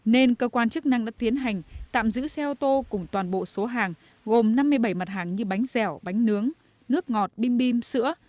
nên cơ quan chức năng đã tiến hành tạm giữ xe ô tô cùng toàn bộ số hàng gồm năm mươi bảy mặt hàng như bánh dẻo bánh nướng nước ngọt bim bim sữa